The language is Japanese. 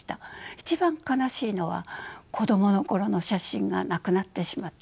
一番悲しいのは子どもの頃の写真がなくなってしまったことです。